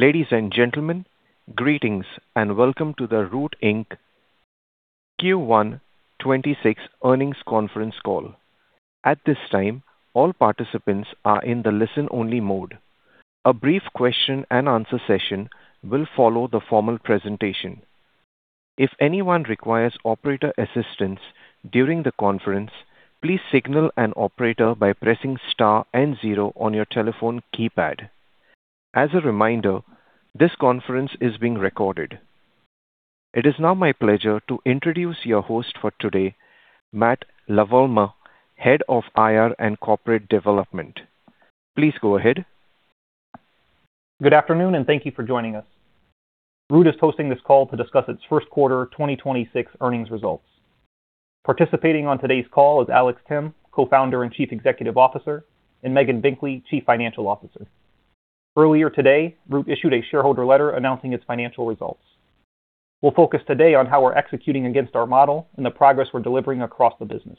Ladies and gentlemen, greetings and welcome to the Root, Inc. Q1 2026 earnings conference call. At this time, all participants are in the listen-only mode. A brief question-and-answer session will follow the formal presentation. If anyone requires operator assistance during the conference, please signal an operator by pressing star and zero on your telephone keypad. As a reminder, this conference is being recorded. It is now my pleasure to introduce your host for today, Matt LaMalva, Head of IR and Corporate Development. Please go ahead. Good afternoon, and thank you for joining us. Root is hosting this call to discuss its first quarter 2026 earnings results. Participating on today's call is Alex Timm, Co-founder and Chief Executive Officer, and Megan Binkley, Chief Financial Officer. Earlier today, Root issued a shareholder letter announcing its financial results. We'll focus today on how we're executing against our model and the progress we're delivering across the business.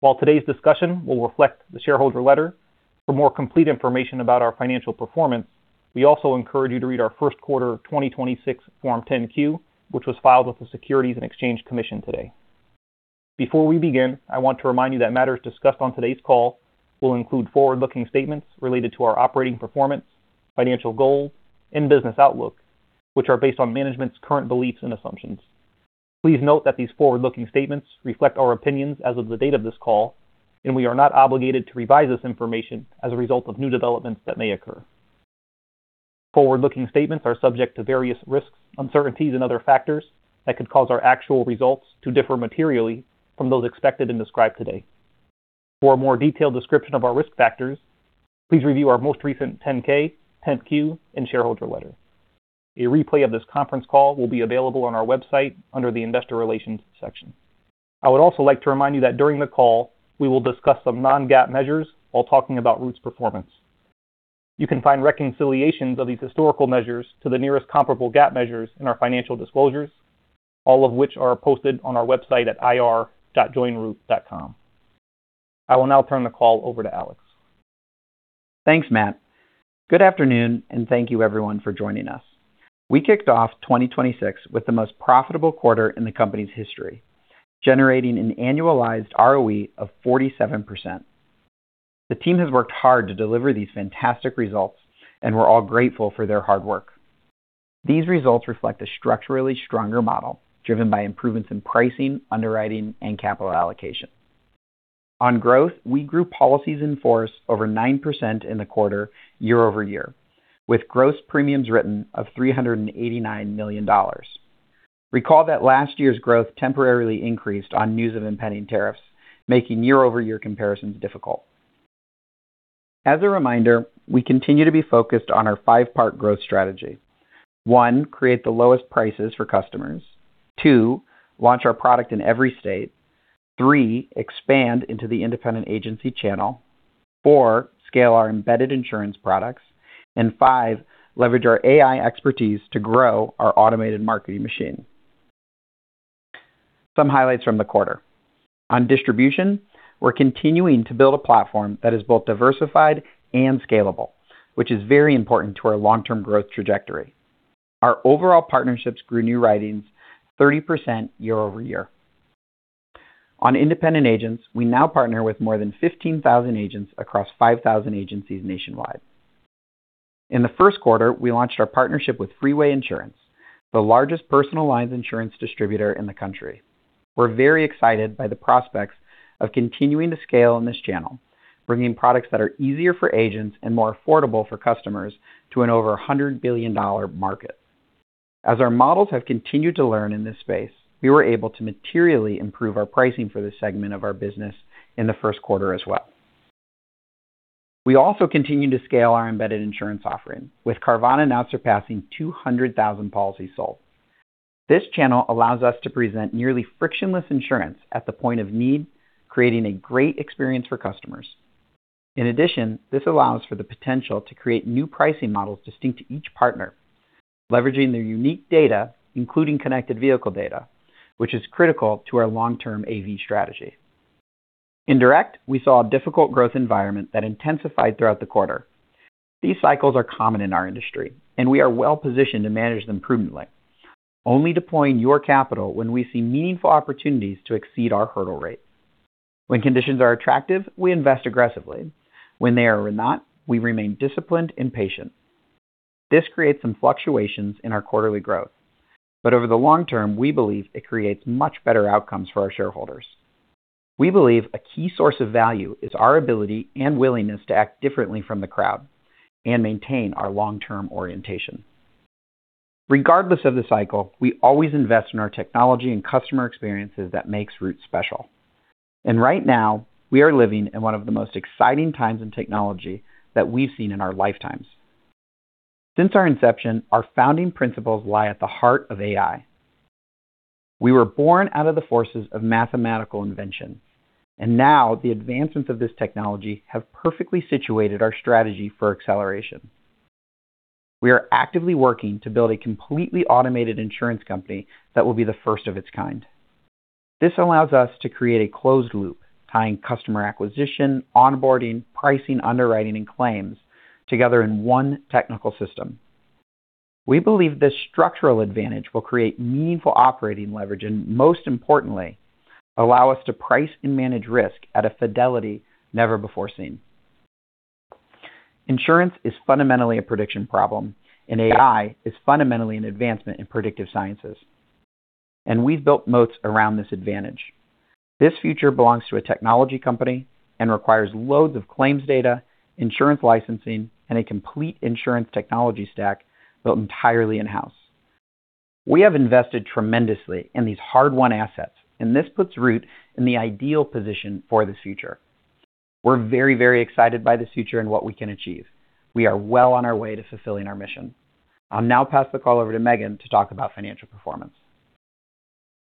While today's discussion will reflect the shareholder letter, for more complete information about our financial performance, we also encourage you to read our first quarter 2026 Form 10-Q, which was filed with the Securities and Exchange Commission today. Before we begin, I want to remind you that matters discussed on today's call will include forward-looking statements related to our operating performance, financial goals, and business outlook, which are based on management's current beliefs and assumptions. Please note that these forward-looking statements reflect our opinions as of the date of this call, and we are not obligated to revise this information as a result of new developments that may occur. Forward-looking statements are subject to various risks, uncertainties and other factors that could cause our actual results to differ materially from those expected and described today. For a more detailed description of our risk factors, please review our most recent Form 10-K, Form 10-Q and shareholder letter. A replay of this conference call will be available on our website under the investor relations section. I would also like to remind you that during the call, we will discuss some non-GAAP measures while talking about Root's performance. You can find reconciliations of these historical measures to the nearest comparable GAAP measures in our financial disclosures, all of which are posted on our website at ir.joinroot.com. I will now turn the call over to Alex. Thanks, Matt. Good afternoon, thank you, everyone, for joining us. We kicked off 2026 with the most profitable quarter in the company's history, generating an annualized ROE of 47%. The team has worked hard to deliver these fantastic results, and we're all grateful for their hard work. These results reflect a structurally stronger model driven by improvements in pricing, underwriting, and capital allocation. On growth, we grew policies in force over 9% in the quarter year-over-year, with gross premiums written of $389 million. Recall that last year's growth temporarily increased on news of impending tariffs, making year-over-year comparisons difficult. As a reminder, we continue to be focused on our five-part growth strategy. One, create the lowest prices for customers. Two, launch our product in every state. Three, expand into the independent agency channel. Four, scale our embedded insurance products. Five, leverage our AI expertise to grow our automated marketing machine. Some highlights from the quarter. On distribution, we're continuing to build a platform that is both diversified and scalable, which is very important to our long-term growth trajectory. Our overall partnerships grew new writings 30% year-over-year. On independent agents, we now partner with more than 15,000 agents across 5,000 agencies nationwide. In the first quarter, we launched our partnership with Freeway Insurance, the largest personal lines insurance distributor in the country. We're very excited by the prospects of continuing to scale in this channel, bringing products that are easier for agents and more affordable for customers to an over a $100 billion market. As our models have continued to learn in this space, we were able to materially improve our pricing for this segment of our business in the first quarter as well. We also continue to scale our embedded insurance offering, with Carvana now surpassing 200,000 policies sold. This channel allows us to present nearly frictionless insurance at the point of need, creating a great experience for customers. In addition, this allows for the potential to create new pricing models distinct to each partner, leveraging their unique data, including connected vehicle data, which is critical to our long-term AV strategy. In direct, we saw a difficult growth environment that intensified throughout the quarter. These cycles are common in our industry, and we are well-positioned to manage them prudently, only deploying your capital when we see meaningful opportunities to exceed our hurdle rate. When conditions are attractive, we invest aggressively. When they are not, we remain disciplined and patient. This creates some fluctuations in our quarterly growth, but over the long term, we believe it creates much better outcomes for our shareholders. We believe a key source of value is our ability and willingness to act differently from the crowd and maintain our long-term orientation. Regardless of the cycle, we always invest in our technology and customer experiences that makes Root special. Right now, we are living in one of the most exciting times in technology that we've seen in our lifetimes. Since our inception, our founding principles lie at the heart of AI. We were born out of the forces of mathematical invention, and now the advancements of this technology have perfectly situated our strategy for acceleration. We are actively working to build a completely automated insurance company that will be the first of its kind. This allows us to create a closed loop tying customer acquisition, onboarding, pricing, underwriting, and claims together in one technical system. We believe this structural advantage will create meaningful operating leverage, and most importantly, allow us to price and manage risk at a fidelity never before seen. Insurance is fundamentally a prediction problem. AI is fundamentally an advancement in predictive sciences. We've built moats around this advantage. This future belongs to a technology company and requires loads of claims data, insurance licensing, and a complete insurance technology stack built entirely in-house. We have invested tremendously in these hard-won assets, and this puts Root in the ideal position for this future. We're very, very excited by this future and what we can achieve. We are well on our way to fulfilling our mission. I'll now pass the call over to Megan to talk about financial performance.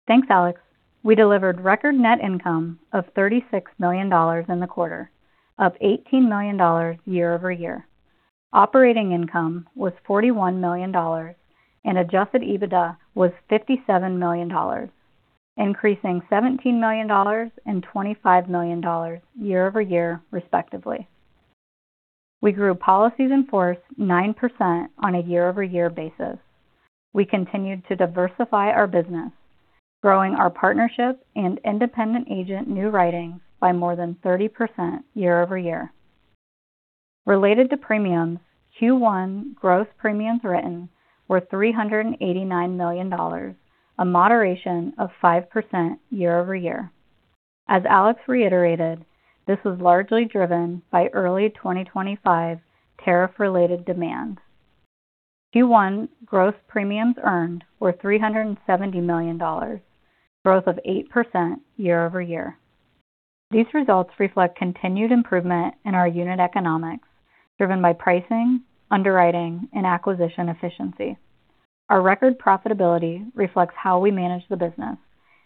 Thanks, Alex. We delivered record net income of $36 million in the quarter, up $18 million year-over-year. Operating income was $41 million, and adjusted EBITDA was $57 million, increasing $17 million and $25 million year-over-year, respectively. We grew policies in force 9% on a year-over-year basis. We continued to diversify our business, growing our partnership and independent agent new writings by more than 30% year-over-year. Related to premiums, Q1 gross premiums written were $389 million, a moderation of 5% year-over-year. As Alex reiterated, this was largely driven by early 2025 tariff related demand. Q1 gross premiums earned were $370 million, growth of 8% year-over-year. These results reflect continued improvement in our unit economics, driven by pricing, underwriting, and acquisition efficiency. Our record profitability reflects how we manage the business,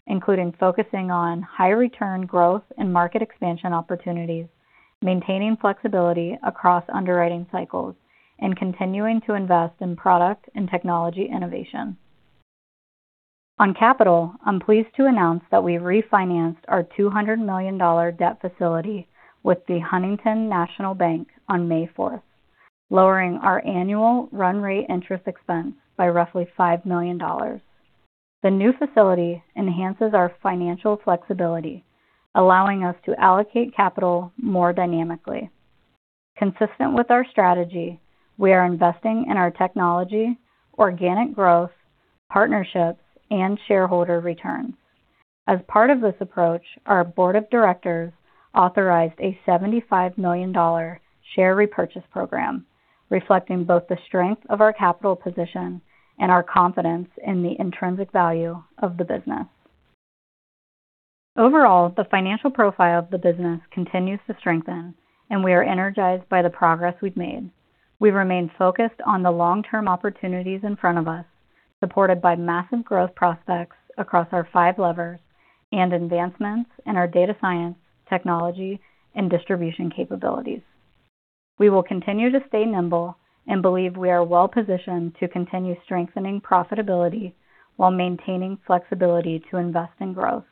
including focusing on high return growth and market expansion opportunities, maintaining flexibility across underwriting cycles, and continuing to invest in product and technology innovation. On capital, I'm pleased to announce that we refinanced our $200 million debt facility with The Huntington National Bank on May 4th, lowering our annual run rate interest expense by roughly $5 million. The new facility enhances our financial flexibility, allowing us to allocate capital more dynamically. Consistent with our strategy, we are investing in our technology, organic growth, partnerships, and shareholder returns. As part of this approach, our Board of Directors authorized a $75 million share repurchase program, reflecting both the strength of our capital position and our confidence in the intrinsic value of the business. Overall, the financial profile of the business continues to strengthen, and we are energized by the progress we've made. We remain focused on the long-term opportunities in front of us, supported by massive growth prospects across our five levers and advancements in our data science, technology, and distribution capabilities. We will continue to stay nimble and believe we are well-positioned to continue strengthening profitability while maintaining flexibility to invest in growth.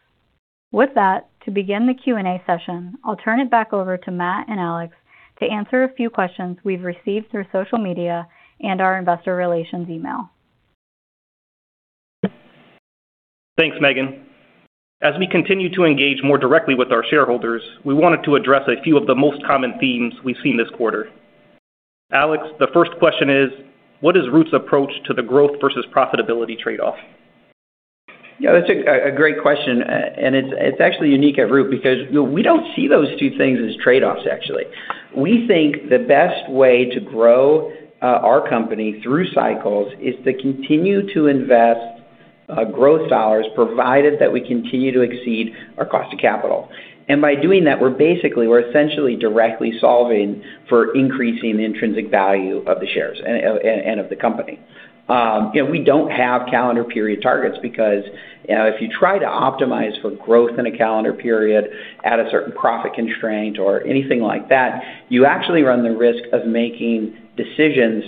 With that, to begin the Q&A session, I'll turn it back over to Matt and Alex to answer a few questions we've received through social media and our investor relations email. Thanks, Megan. As we continue to engage more directly with our shareholders, we wanted to address a few of the most common themes we've seen this quarter. Alex, the first question is: What is Root's approach to the growth versus profitability trade-off? Yeah, that's a great question. It's actually unique at Root because we don't see those two things as trade-offs, actually. We think the best way to grow our company through cycles is to continue to invest growth dollars, provided that we continue to exceed our cost of capital. By doing that, we're essentially directly solving for increasing the intrinsic value of the shares and of the company. You know, we don't have calendar period targets because, you know, if you try to optimize for growth in a calendar period at a certain profit constraint or anything like that, you actually run the risk of making decisions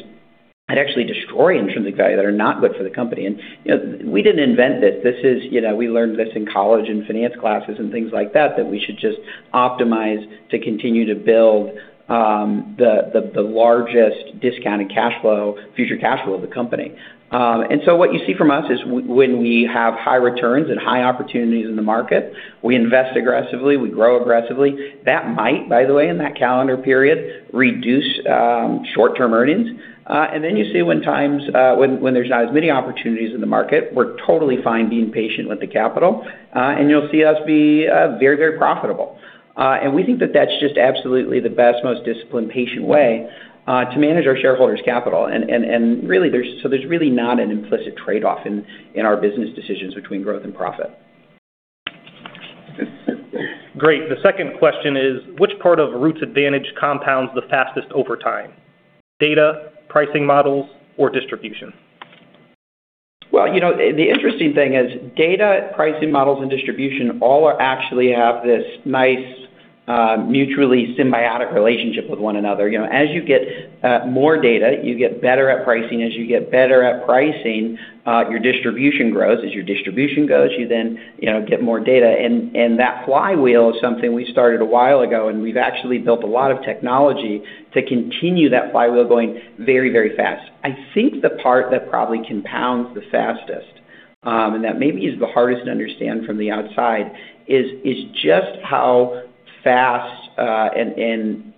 that actually destroy intrinsic value, that are not good for the company. You know, we didn't invent this. This is, you know, we learned this in college, in finance classes and things like that we should just optimize to continue to build the largest discounted cash flow, future cash flow of the company. What you see from us is when we have high returns and high opportunities in the market, we invest aggressively, we grow aggressively. That might, by the way, in that calendar period, reduce short-term earnings. You see when times, when there's not as many opportunities in the market, we're totally fine being patient with the capital, and you'll see us be very profitable. We think that that's just absolutely the best, most disciplined, patient way to manage our shareholders' capital. Really there's really not an implicit trade-off in our business decisions between growth and profit. Great. The second question is: Which part of Root's advantage compounds the fastest over time: data, pricing models, or distribution? Well, you know, the interesting thing is data, pricing models, and distribution all are actually have this nice, mutually symbiotic relationship with one another. You know, as you get more data, you get better at pricing. As you get better at pricing, your distribution grows. As your distribution grows, you then, you know, get more data. That flywheel is something we started a while ago, and we've actually built a lot of technology to continue that flywheel going very, very fast. I think the part that probably compounds the fastest, and that maybe is the hardest to understand from the outside is just how fast, and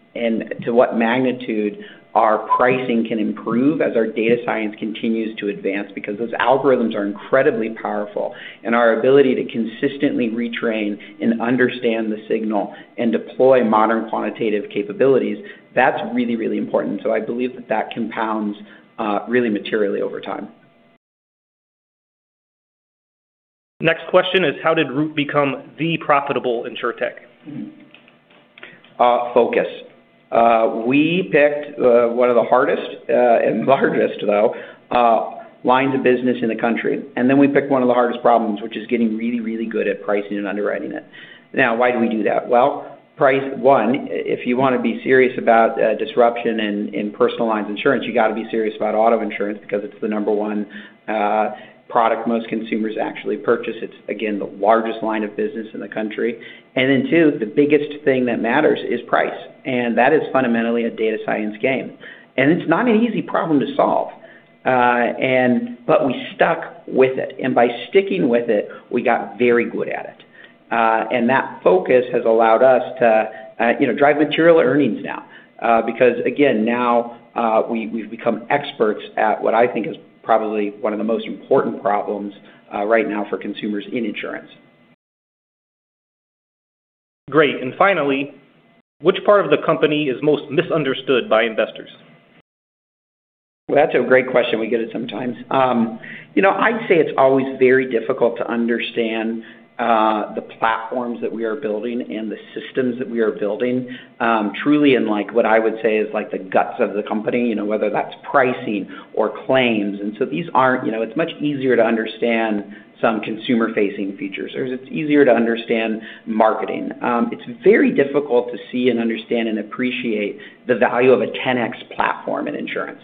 to what magnitude our pricing can improve as our data science continues to advance because those algorithms are incredibly powerful and our ability to consistently retrain and understand the signal and deploy modern quantitative capabilities, that's really important. I believe that that compounds, really materially over time. Next question is how did Root become the profitable insurtech? Focus. We picked one of the hardest and largest though, lines of business in the country. We picked one of the hardest problems, which is getting really, really good at pricing and underwriting it. Now why do we do that? Well, price, one, if you wanna be serious about disruption in personal lines insurance, you gotta be serious about auto insurance because it's the number one product most consumers actually purchase. It's again, the largest line of business in the country. Two, the biggest thing that matters is price. That is fundamentally a data science game. It's not an easy problem to solve. We stuck with it. By sticking with it, we got very good at it. That focus has allowed us to, you know, drive material earnings now, because again, now, we've become experts at what I think is probably one of the most important problems, right now for consumers in insurance. Great. Finally, which part of the company is most misunderstood by investors? That's a great question we get sometimes. You know, I'd say it's always very difficult to understand the platforms that we are building and the systems that we are building, truly in like what I would say is like the guts of the company, you know, whether that's pricing or claims. These aren't, you know, it's much easier to understand some consumer facing features, or it's easier to understand marketing. It's very difficult to see and understand and appreciate the value of a 10x platform in insurance,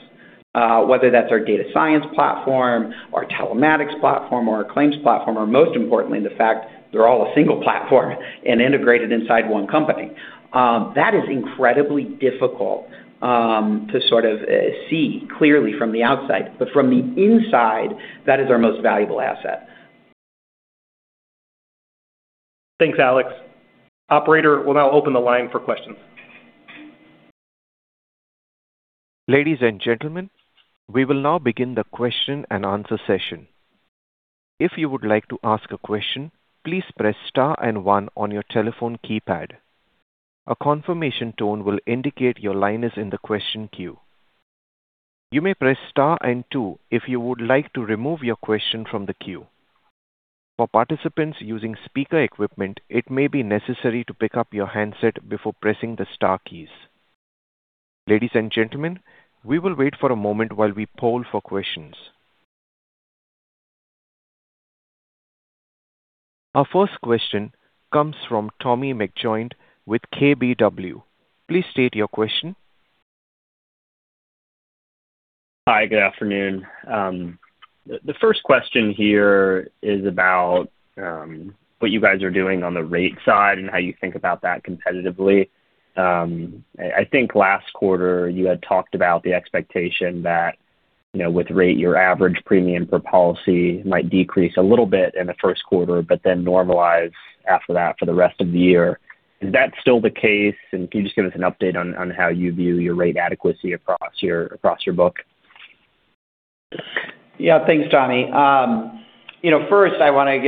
whether that's our data science platform, our telematics platform or our claims platform, or most importantly, the fact they're all a single platform and integrated inside one company. That is incredibly difficult to sort of see clearly from the outside. From the inside, that is our most valuable asset. Thanks, Alex. Operator, we'll now open the line for questions. Ladies and gentlemen, we will now begin the question-and-answer session. If you would like to ask a question, please press star, and one on your telephone keypad. A confirmation tone will indicate your line is in the question que. You may press star and two if you would like to remove your question from the que. For participants using speaker equipment it may be necessary to pick up your head set before pressing the star keys. Ladies and gentlemen we will pause for a moment as we poll for questions. Our first question comes from Tommy McJoynt with KBW. Please state your question. Hi, good afternoon. The first question here is about what you guys are doing on the rate side and how you think about that competitively. I think last quarter you had talked about the expectation that, you know, with rate, your average premium per policy might decrease a little bit in the first quarter, but then normalize after that for the rest of the year. Is that still the case? Can you just give us an update on how you view your rate adequacy across your book? Yeah. Thanks, Tommy. You know, first I wanna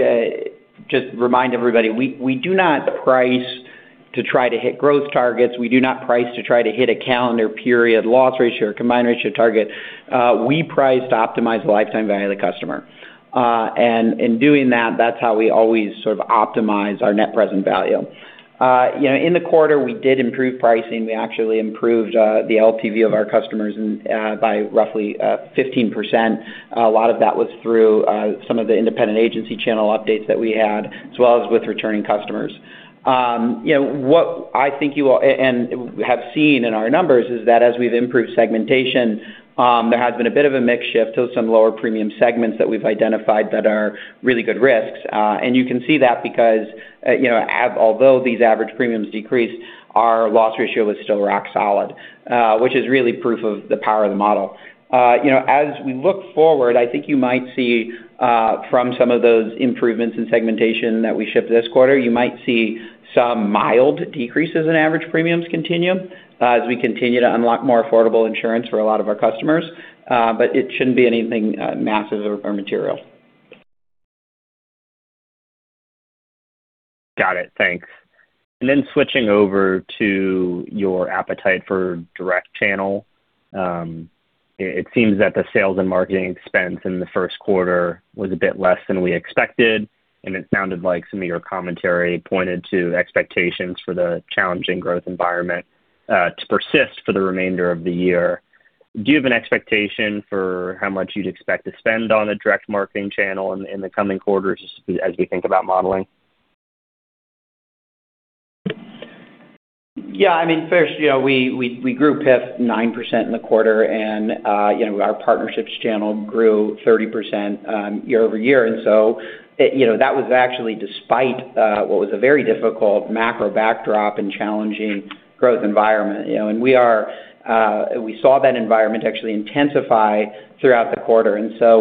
just remind everybody, we do not price to try to hit growth targets. We do not price to try to hit a calendar period loss ratio or combined ratio target. We price to optimize the lifetime value of the customer. In doing that's how we always sort of optimize our net present value. You know, in the quarter, we did improve pricing. We actually improved the LTV of our customers and by roughly 15%. A lot of that was through some of the independent agency channel updates that we had, as well as with returning customers. You know, what I think you all have seen in our numbers is that as we've improved segmentation, there has been a bit of a mix shift to some lower premium segments that we've identified that are really good risks. You can see that because, you know, although these average premiums decreased, our loss ratio was still rock solid, which is really proof of the power of the model. You know, as we look forward, I think you might see from some of those improvements in segmentation that we shipped this quarter, you might see some mild decreases in average premiums continue as we continue to unlock more affordable insurance for a lot of our customers. It shouldn't be anything massive or material. Got it. Thanks. Switching over to your appetite for direct channel, it seems that the sales and marketing expense in the first quarter was a bit less than we expected, and it sounded like some of your commentary pointed to expectations for the challenging growth environment to persist for the remainder of the year. Do you have an expectation for how much you'd expect to spend on the direct marketing channel in the coming quarters as we think about modeling? Yeah. I mean, first, you know, we grew PIF 9% in the quarter and, you know, our partnerships channel grew 30% year-over-year. You know, that was actually despite what was a very difficult macro backdrop and challenging growth environment, you know. We saw that environment actually intensify throughout the quarter.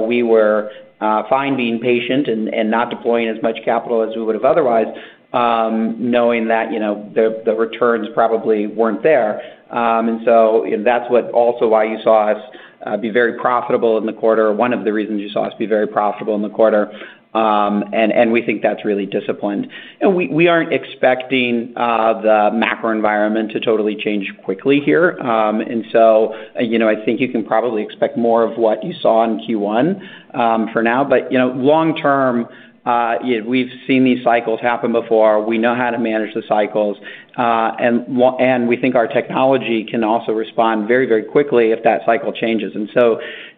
We were fine being patient and not deploying as much capital as we would have otherwise, knowing that, you know, the returns probably weren't there. That's what also why you saw us be very profitable in the quarter. One of the reasons you saw us be very profitable in the quarter. We think that's really disciplined. We aren't expecting the macro environment to totally change quickly here. You know, I think you can probably expect more of what you saw in Q1 for now. You know, long term, we've seen these cycles happen before. We know how to manage the cycles, and we think our technology can also respond very, very quickly if that cycle changes.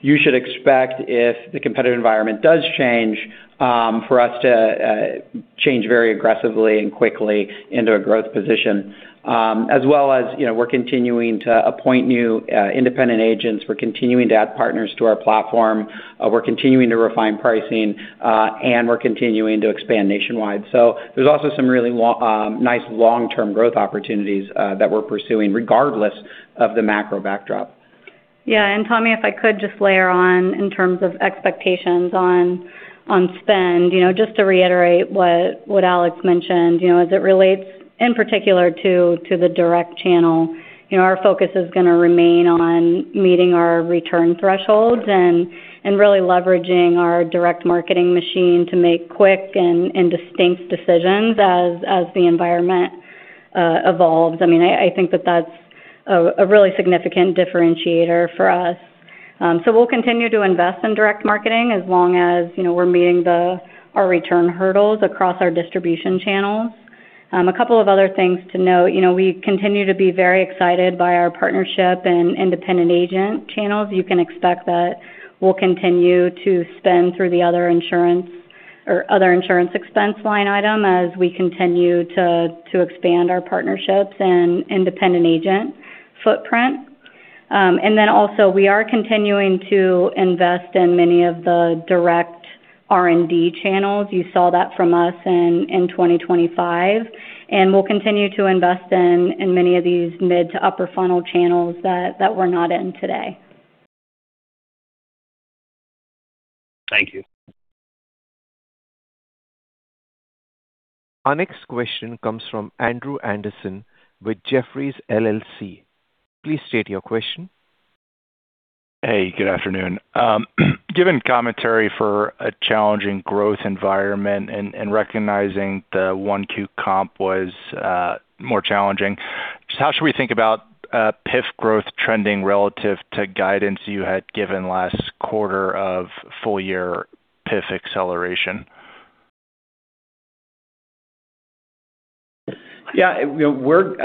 You should expect if the competitive environment does change, for us to change very aggressively and quickly into a growth position. As well as, you know, we're continuing to appoint new independent agents. We're continuing to add partners to our platform. We're continuing to refine pricing, and we're continuing to expand nationwide. There's also some really nice long-term growth opportunities that we're pursuing regardless of the macro backdrop. Yeah. Tommy, if I could just layer on in terms of expectations on spend. You know, just to reiterate what Alex mentioned, you know, as it relates in particular to the direct channel. You know, our focus is gonna remain on meeting our return thresholds and really leveraging our direct marketing machine to make quick and distinct decisions as the environment evolves. I mean, I think that that's a really significant differentiator for us. We'll continue to invest in direct marketing as long as, you know, we're meeting our return hurdles across our distribution channels. A couple of other things to note. You know, we continue to be very excited by our partnership and independent agent channels. You can expect that we'll continue to spend through the other insurance expense line item as we continue to expand our partnerships and independent agent footprint. Also, we are continuing to invest in many of the direct R&D channels. You saw that from us in 2025. We'll continue to invest in many of these mid to upper funnel channels that we're not in today. Thank you. Our next question comes from Andrew Andersen with Jefferies LLC. Please state your question. Hey, good afternoon. Given commentary for a challenging growth environment and recognizing the 1 Q comp was more challenging, how should we think about PIF growth trending relative to guidance you had given last quarter of full year PIF acceleration? Yeah. We're,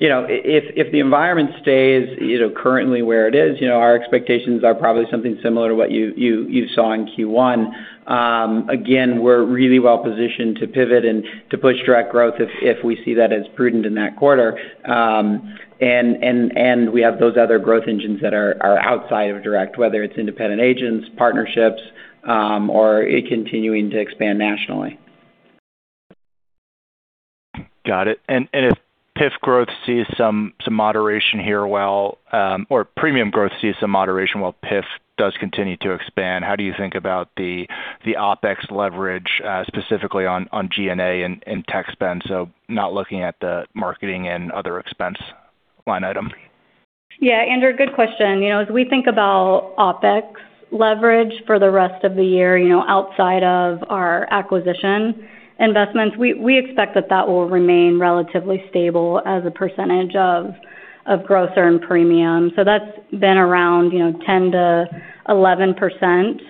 you know, if the environment stays, you know, currently where it is, you know, our expectations are probably something similar to what you saw in Q1. Again, we're really well-positioned to pivot and to push direct growth if we see that as prudent in that quarter. We have those other growth engines that are outside of direct, whether it's independent agents, partnerships, or continuing to expand nationally. Got it. If PIF growth sees some moderation here or premium growth sees some moderation while PIF does continue to expand, how do you think about the OpEx leverage specifically on G&A and tech spend, so not looking at the marketing and other expense line item? Andrew, good question. You know, as we think about OpEx leverage for the rest of the year, you know, outside of our acquisition investments, we expect that that will remain relatively stable as a percentage of gross earn premium. That's been around, you know, 10%-11%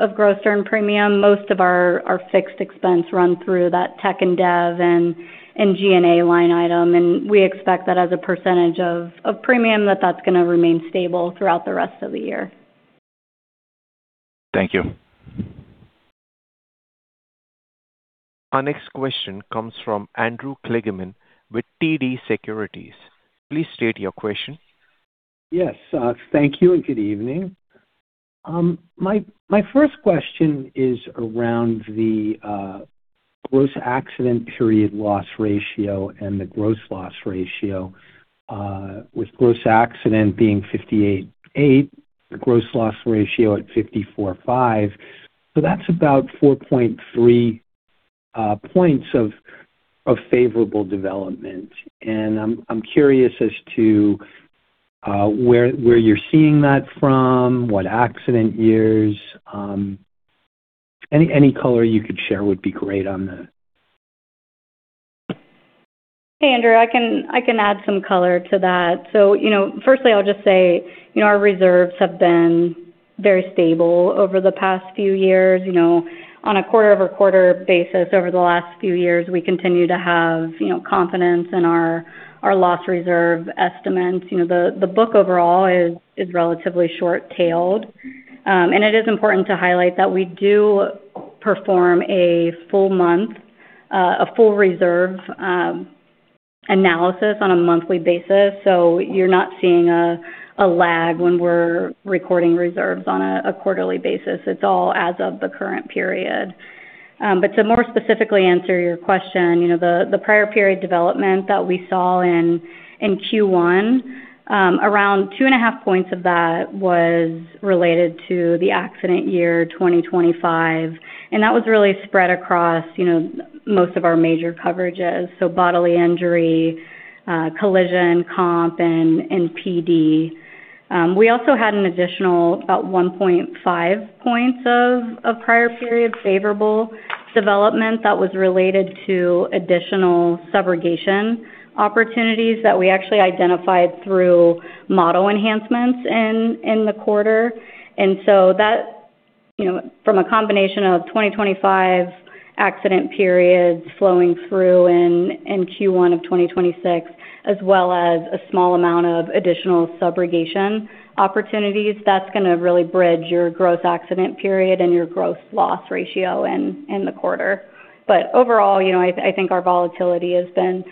of gross earn premium. Most of our fixed expense run through that tech and dev and G&A line item. We expect that as a percentage of premium that that's gonna remain stable throughout the rest of the year. Thank you. Our next question comes from Andrew Kligerman with TD Securities. Please state your question. Yes. Thank you, good evening. My first question is around the gross accident period loss ratio and the gross loss ratio, with gross accident being 58.8%, the gross loss ratio at 54.5%. That's about 4.3 points of favorable development. I'm curious as to where you're seeing that from, what accident years. Any color you could share would be great on that. Hey, Andrew, I can add some color to that. You know, firstly, I'll just say, you know, our reserves have been very stable over the past few years. You know, on a quarter-over-quarter basis over the last few years, we continue to have, you know, confidence in our loss reserve estimates. You know, the book overall is relatively short-tailed. It is important to highlight that we do perform a full reserve analysis on a monthly basis. You're not seeing a lag when we're recording reserves on a quarterly basis. It's all as of the current period. But to more specifically answer your question, you know, the prior period development that we saw in Q1, around 2.5 points of that was related to the accident year 2025, and that was really spread across, you know, most of our major coverages. Bodily injury, collision, comp, and PD. We also had an additional about 1.5 points of prior period favorable development that was related to additional subrogation opportunities that we actually identified through model enhancements in the quarter. You know, from a combination of 2025 accident periods flowing through in Q1 of 2026, as well as a small amount of additional subrogation opportunities, that's gonna really bridge your growth accident period and your growth loss ratio in the quarter. Overall, you know, I think our volatility has been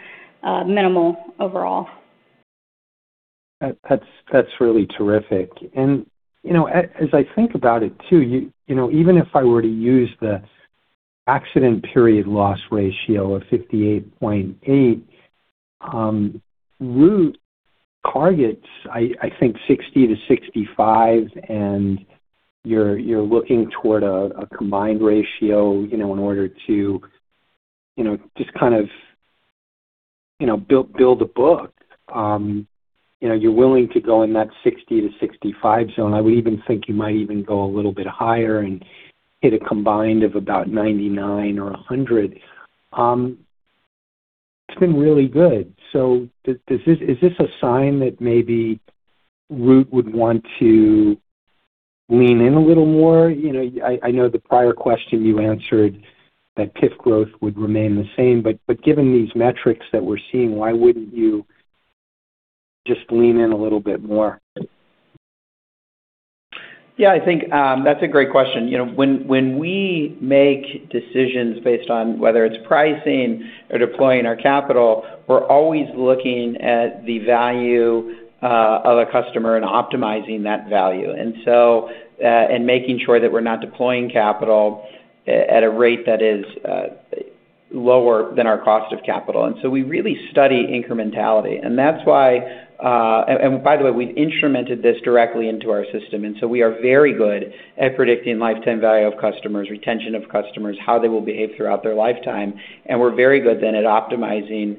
minimal overall. That's really terrific. You know, as I think about it too, you know, even if I were to use the accident period loss ratio of 58.8%, Root targets, I think 60%-65%, and you're looking toward a combined ratio, you know, in order to, you know, just kind of, you know, build a book. You know, you're willing to go in that 60%-65% zone. I would even think you might even go a little bit higher and hit a combined of about 99% or 100%. It's been really good. Is this a sign that maybe Root would want to lean in a little more? You know, I know the prior question you answered that PIF growth would remain the same, but given these metrics that we're seeing, why wouldn't you just lean in a little bit more? Yeah, I think, that's a great question. You know, when we make decisions based on whether it's pricing or deploying our capital, we're always looking at the value of a customer and optimizing that value. making sure that we're not deploying capital at a rate that is lower than our cost of capital. We really study incrementality. That's why, and by the way, we've instrumented this directly into our system, and so we are very good at predicting lifetime value of customers, retention of customers, how they will behave throughout their lifetime, and we're very good then at optimizing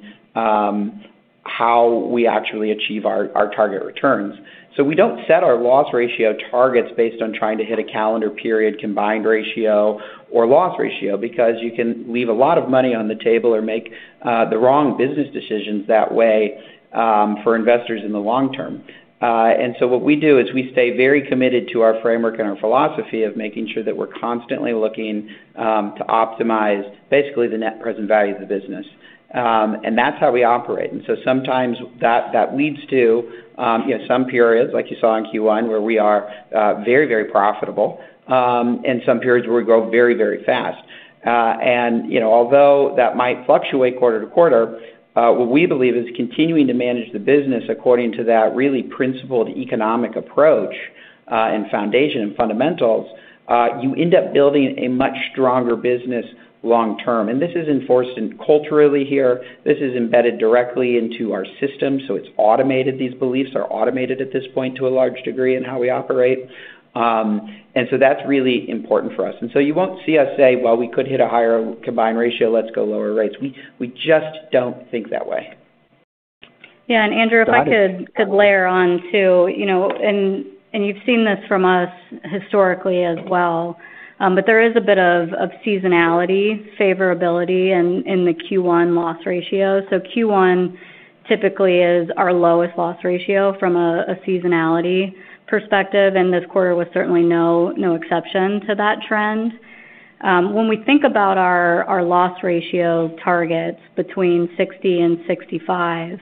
how we actually achieve our target returns. We don't set our loss ratio targets based on trying to hit a calendar period combined ratio or loss ratio because you can leave a lot of money on the table or make the wrong business decisions that way for investors in the long term. What we do is we stay very committed to our framework and our philosophy of making sure that we're constantly looking to optimize basically the net present value of the business. That's how we operate. Sometimes that leads to, you know, some periods, like you saw in Q1, where we are very profitable, and some periods where we grow very fast. You know, although that might fluctuate quarter to quarter, what we believe is continuing to manage the business according to that really principled economic approach, and foundation and fundamentals, you end up building a much stronger business long term. This is enforced in culturally here. This is embedded directly into our system, so it's automated. These beliefs are automated at this point to a large degree in how we operate. That's really important for us. You won't see us say, "Well, we could hit a higher combined ratio. Let's go lower rates." We just don't think that way. Yeah. Andrew, if I could layer on too, and you've seen this from us historically as well. There is a bit of seasonality favorability in the Q1 loss ratio. Q1 typically is our lowest loss ratio from a seasonality perspective, and this quarter was certainly no exception to that trend. When we think about our loss ratio targets between 60% and 65%,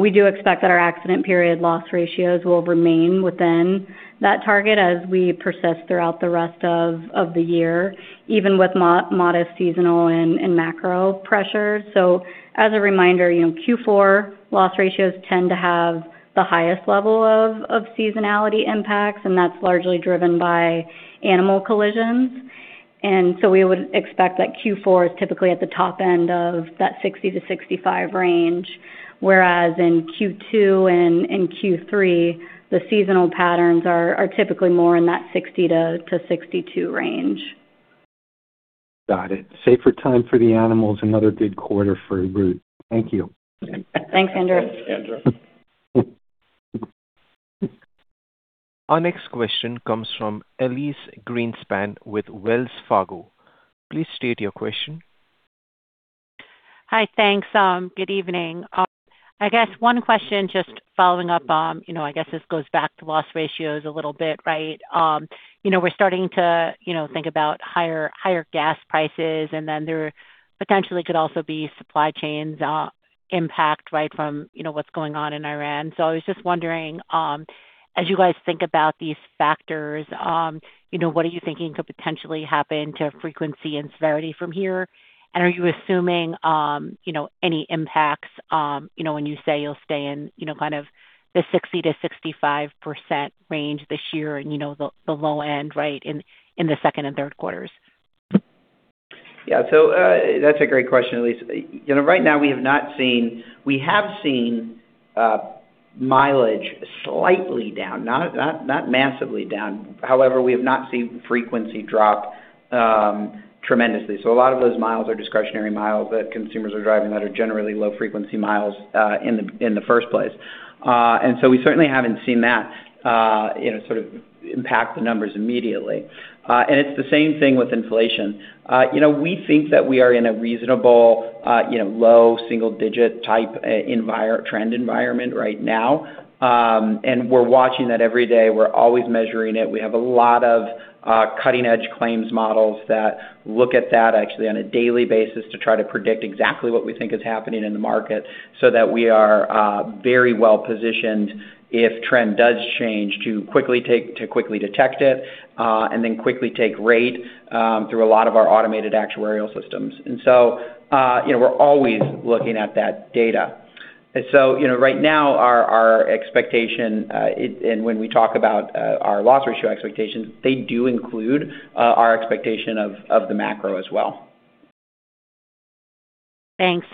we do expect that our accident period loss ratios will remain within that target as we persist throughout the rest of the year, even with modest seasonal and macro pressures. As a reminder, Q4 loss ratios tend to have the highest level of seasonality impacts, and that's largely driven by animal collisions. We would expect that Q4 is typically at the top end of that 60%-65% range, whereas in Q2 and in Q3, the seasonal patterns are typically more in that 60%-62% range. Got it. Safer time for the animals, another good quarter for Root. Thank you. Thanks, Andrew. Thanks, Andrew. Our next question comes from Elyse Greenspan with Wells Fargo. Please state your question. Hi. Thanks. good evening. I guess one question, just following up, you know, I guess this goes back to loss ratios a little bit, right? You know, we're starting to, you know, think about higher gas prices, and then there potentially could also be supply chains impact, right, from, you know, what's going on in Iran. I was just wondering, as you guys think about these factors, you know, what are you thinking could potentially happen to frequency and severity from here? Are you assuming, you know, any impacts, you know, when you say you'll stay in, you know, kind of the 60%-65% range this year and, you know, the low end, right, in the second and third quarters? Yeah. That's a great question, Elyse. You know, right now we have seen mileage slightly down, not massively down. However, we have not seen frequency drop tremendously. A lot of those miles are discretionary miles that consumers are driving that are generally low-frequency miles in the first place. We certainly haven't seen that, you know, sort of impact the numbers immediately. It's the same thing with inflation. You know, we think that we are in a reasonable, you know, low single digit type trend environment right now. We're watching that every day. We're always measuring it. We have a lot of cutting-edge claims models that look at that actually on a daily basis to try to predict exactly what we think is happening in the market, so that we are very well-positioned if trend does change, to quickly detect it, and then quickly take rate through a lot of our automated actuarial systems. You know, we're always looking at that data. You know, right now our expectation, it and when we talk about our loss ratio expectations, they do include our expectation of the macro as well. Thanks.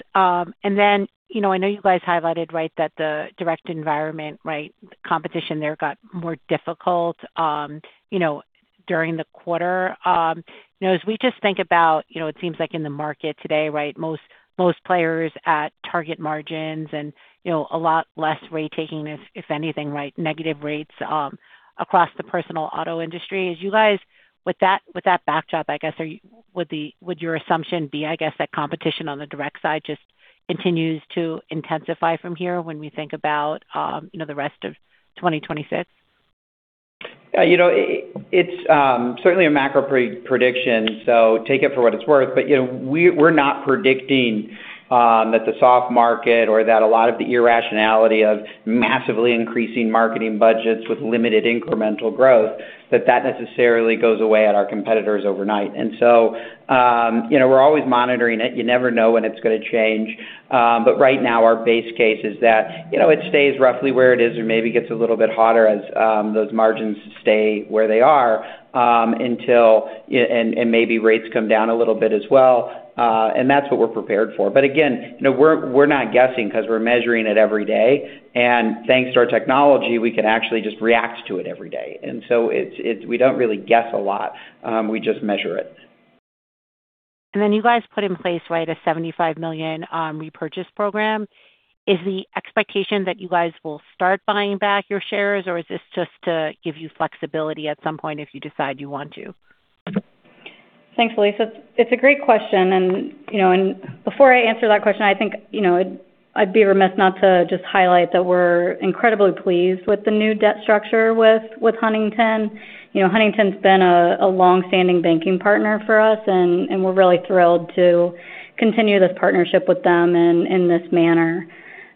You know, I know you guys highlighted, right, that the direct environment, right, competition there got more difficult, you know, during the quarter. You know, as we just think about, you know, it seems like in the market today, right, most players at target margins and, you know, a lot less rate taking, if anything, right, negative rates, across the personal auto industry. As you guys, with that, with that backdrop, I guess, would your assumption be, I guess, that competition on the direct side just continues to intensify from here when we think about, you know, the rest of 2026? You know, it's certainly a macro pre-prediction, so take it for what it's worth. You know, we're not predicting that the soft market or that a lot of the irrationality of massively increasing marketing budgets with limited incremental growth, that that necessarily goes away at our competitors overnight. You know, we're always monitoring it. You never know when it's gonna change. Right now our base case is that, you know, it stays roughly where it is or maybe gets a little bit hotter as those margins stay where they are until, you know, and maybe rates come down a little bit as well. That's what we're prepared for. Again, you know, we're not guessing 'cause we're measuring it every day, and thanks to our technology, we can actually just react to it every day. We don't really guess a lot. We just measure it. You guys put in place, right, a $75 million repurchase program. Is the expectation that you guys will start buying back your shares, or is this just to give you flexibility at some point if you decide you want to? Thanks, Elyse. It's a great question. You know, before I answer that question, I think I'd be remiss not to just highlight that we're incredibly pleased with the new debt structure with Huntington. You know, Huntington's been a longstanding banking partner for us, and we're really thrilled to continue this partnership with them in this manner.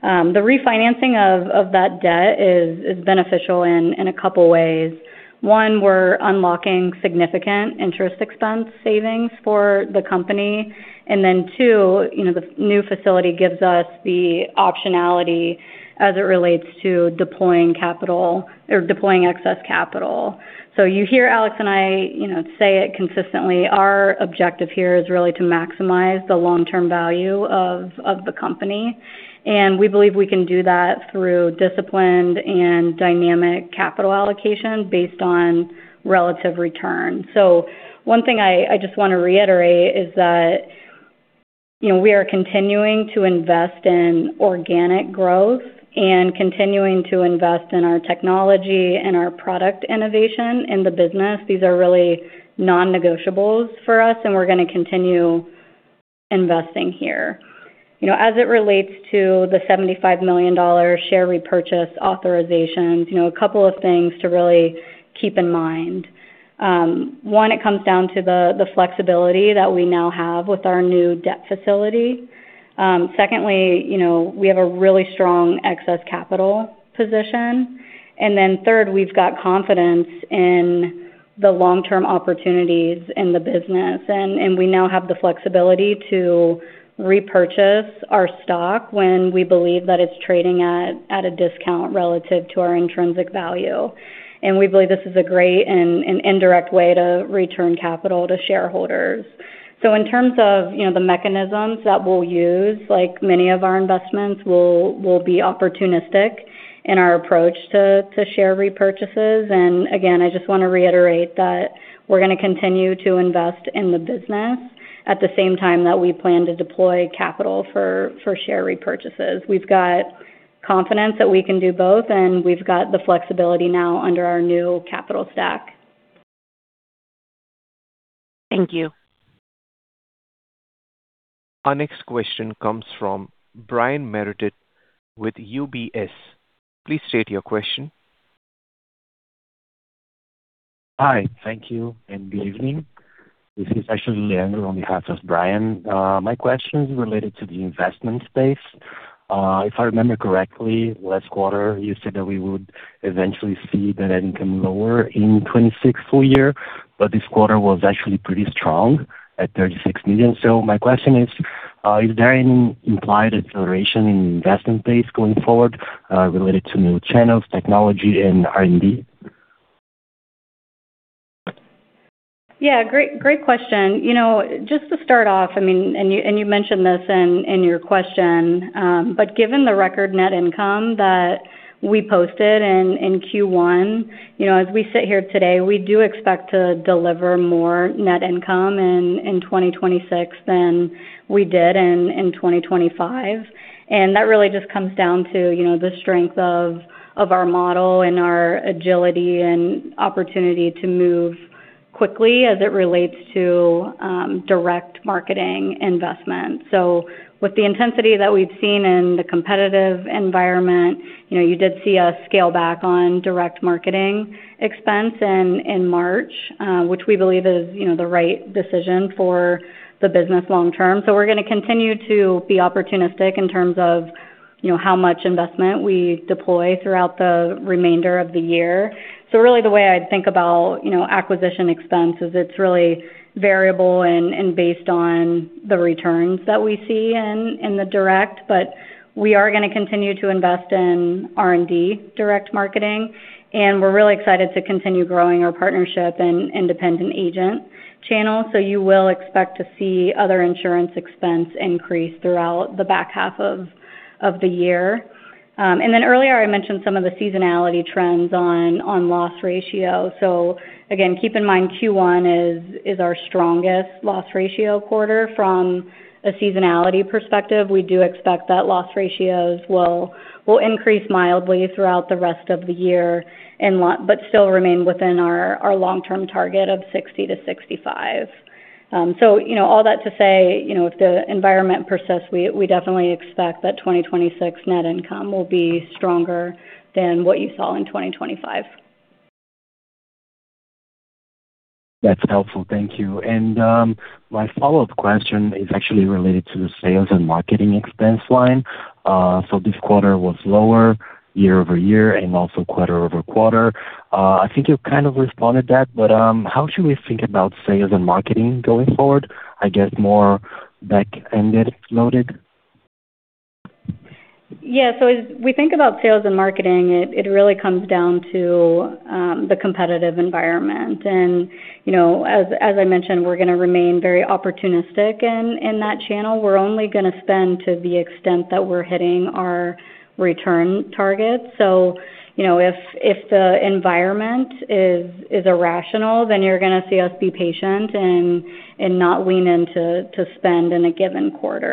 The refinancing of that debt is beneficial in a couple ways. One, we're unlocking significant interest expense savings for the company. Then two, you know, the new facility gives us the optionality as it relates to deploying capital or deploying excess capital. You hear Alex and I, you know, say it consistently, our objective here is really to maximize the long-term value of the company, and we believe we can do that through disciplined and dynamic capital allocation based on relative return. One thing I just wanna reiterate is that, you know, we are continuing to invest in organic growth and continuing to invest in our technology and our product innovation in the business. These are really non-negotiables for us, and we're gonna continue investing here. You know, as it relates to the $75 million share repurchase authorizations, you know, a couple of things to really keep in mind. One, it comes down to the flexibility that we now have with our new debt facility. Secondly, you know, we have a really strong excess capital position. Third, we've got confidence in the long-term opportunities in the business, and we now have the flexibility to repurchase our stock when we believe that it's trading at a discount relative to our intrinsic value. We believe this is a great and indirect way to return capital to shareholders. In terms of, you know, the mechanisms that we'll use, like many of our investments, we'll be opportunistic in our approach to share repurchases. Again, I just wanna reiterate that we're gonna continue to invest in the business at the same time that we plan to deploy capital for share repurchases. We've got confidence that we can do both, and we've got the flexibility now under our new capital stack. Thank you. Our next question comes from Brian Meredith with UBS. Please state your question. Hi. Thank you, and good evening. This is actually Andrew on behalf of Brian. My question is related to the investment space. If I remember correctly, last quarter you said that we would eventually see the net income lower in 2026 full year, but this quarter was actually pretty strong at $36 million. My question is there any implied acceleration in investment pace going forward, related to new channels, technology and R&D? Yeah, great question. You know, just to start off, I mean, and you mentioned this in your question, given the record net income that we posted in Q1, you know, as we sit here today, we do expect to deliver more net income in 2026 than we did in 2025. That really just comes down to, you know, the strength of our model and our agility and opportunity to move quickly as it relates to direct marketing investment. With the intensity that we've seen in the competitive environment, you know, you did see us scale back on direct marketing expense in March, which we believe is, you know, the right decision for the business long term. We're gonna continue to be opportunistic in terms of, you know, how much investment we deploy throughout the remainder of the year. Really, the way I think about, you know, acquisition expense is it's really variable and based on the returns that we see in the direct, but we are gonna continue to invest in R&D direct marketing, and we're really excited to continue growing our partnership and independent agent channels. You will expect to see other insurance expense increase throughout the back half of the year. Earlier I mentioned some of the seasonality trends on loss ratio. Again, keep in mind, Q1 is our strongest loss ratio quarter from a seasonality perspective. We do expect that loss ratios will increase mildly throughout the rest of the year but still remain within our long term target of 60%-65%. You know, all that to say, you know, if the environment persists, we definitely expect that 2026 net income will be stronger than what you saw in 2025. That's helpful. Thank you. My follow-up question is actually related to the sales and marketing expense line. This quarter was lower year-over-year and also quarter-over-quarter. I think you kind of responded that, but how should we think about sales and marketing going forward? I guess more back-ended loaded. Yeah. As we think about sales and marketing, it really comes down to the competitive environment. you know, as I mentioned, we're gonna remain very opportunistic in that channel. We're only gonna spend to the extent that we're hitting our return targets. you know, if the environment is irrational, then you're gonna see us be patient and not lean into spend in a given quarter.